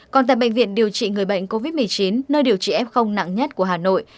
còn tại bệnh viện điều trị người bệnh covid một mươi chín nơi điều trị f nặng nhất của hà nội